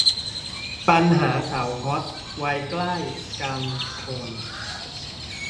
ปัญหาสาวฮอต วัยใกล้กลางคน